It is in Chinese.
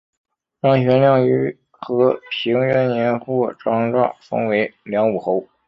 张玄靓于和平元年获张祚封为凉武侯。